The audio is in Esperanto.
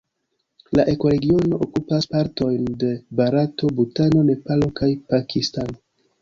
La ekoregiono okupas partojn de Barato, Butano, Nepalo kaj Pakistano.